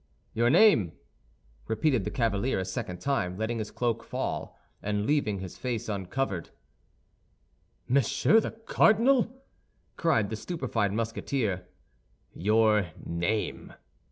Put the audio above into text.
"Your name?" repeated the cavalier a second time, letting his cloak fall, and leaving his face uncovered. "Monsieur the Cardinal!" cried the stupefied Musketeer. "Your name?"